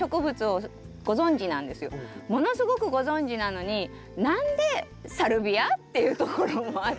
ものすごくご存じなのに何でサルビア？っていうところもあったり。